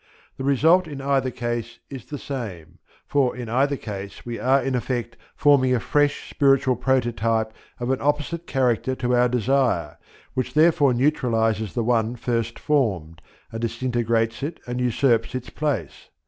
The result in either case is the same, for in either case we are in effect forming a fresh spiritual prototype of an opposite character to our desire, which therefore neutralizes the one first formed, and disintegrates it and usurps its place.